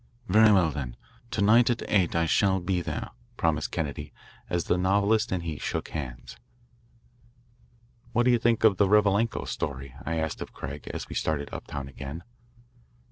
"Very well, then. To night at eight I shall be there," promised Kennedy, as the novelist and he shook hands. "What do you think of the Revalenko story?" I asked of Craig, as we started uptown again.